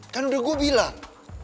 kan udah gue bilang